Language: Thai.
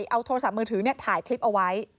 เอาโทรศัพท์มือถือถ่ายคลิปเอาไว้